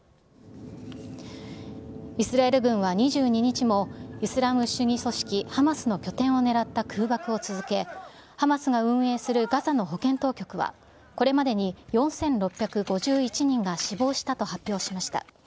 イスラエル軍は２２日も、イスラム主義組織ハマスの拠点を狙った空爆を続け、ハマスが運営するガザの保健当局は、これまでに４６５１人が死亡したと発表しました。